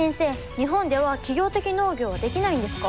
日本では企業的農業はできないんですか？